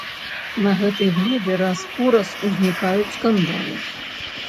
На гэтай глебе раз-пораз узнікаюць скандалы.